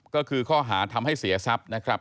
ก็คือข้อหาทำให้เสียทรัพย์นะครับ